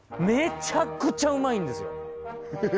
めちゃくちゃうまいんですよ